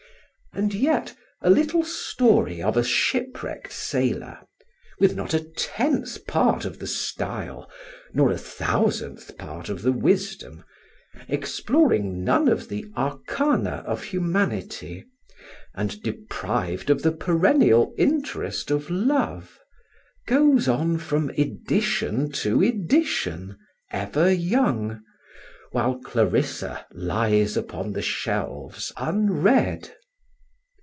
And yet a little story of a ship wrecked sailor, with not a tenth part of the style nor a thousandth part of the wisdom, exploring none of the arcana of humanity and deprived of the perennial interest of love, goes on from edition to edition, ever young, while Clarissa lies upon the shelves unread.